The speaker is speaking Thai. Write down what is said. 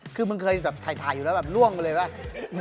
คือมึงเคยก็ทายอยู่แล้วถึงเป็นว่าร่วงมาเลยเนี่ย